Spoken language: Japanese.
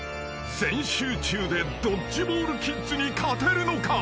全集中でドッジボールキッズに勝てるのか？］